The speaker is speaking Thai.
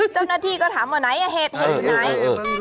เจ้าหน้าที่ก็ถามว่าไหนเห็ดเห็ดอยู่ไหน